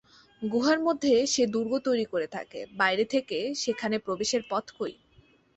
গুহার মধ্যে সে দুর্গ তৈরি করে থাকে, বাইরে থেকে সেখানে প্রবেশের পথ কই?